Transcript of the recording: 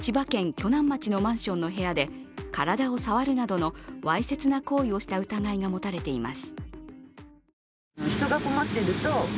鋸南町のマンションの部屋で体を触るなどのわいせつな行為をした疑いが持たれています。